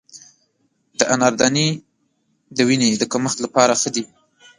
د انار دانې د وینې د کمښت لپاره ښه دي.